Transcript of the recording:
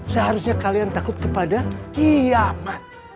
seharusnya kalian takut kepada iyamat